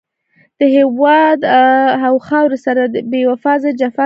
له هېواد او خاورې سره يې د وفا پر ځای جفا کړې ده.